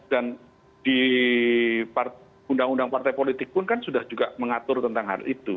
dan di undang undang partai politik pun kan sudah juga mengatur tentang hal itu